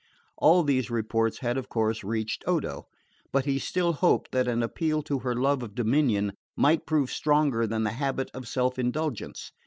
All these reports had of course reached Odo; but he still hoped that an appeal to her love of dominion might prove stronger than the habit of self indulgence.